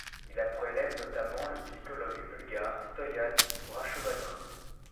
Il a pour élève notamment le musicologue bulgare Stoyan Brashovanov.